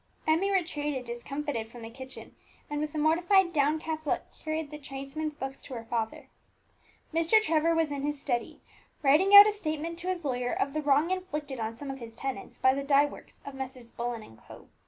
Emmie retreated discomfited from the kitchen, and with a mortified, downcast look carried the tradesmen's books to her father. Mr. Trevor was in his study, writing out a statement to his lawyer of the wrong inflicted on some of his tenants by the dye works of Messrs. Bullen and Co.